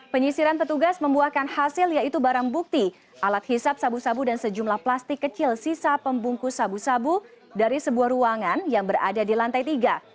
penyisiran petugas membuahkan hasil yaitu barang bukti alat hisap sabu sabu dan sejumlah plastik kecil sisa pembungkus sabu sabu dari sebuah ruangan yang berada di lantai tiga